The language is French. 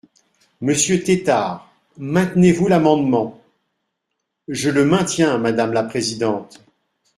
Monsieur Tétart, maintenez-vous l’amendement ? Je le maintiens, madame la présidente.